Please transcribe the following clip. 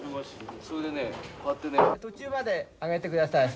途中まで上げてください。